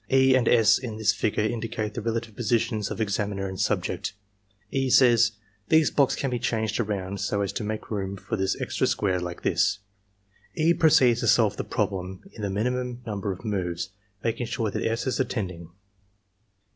'* "E." and "S." in this figure indicate the relative positions of examiner and subject. E. says: ^^ These blocks can be changed around so as to make room for this extra square f like thisJ^ E. proceeds to solve the problem in the miniflaum number pf jnoves; making sure that S, is attending.